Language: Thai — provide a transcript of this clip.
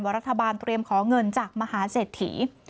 รัฐบาลเตรียมขอเงินจากมหาเศรษฐี